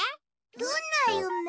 どんなゆめ？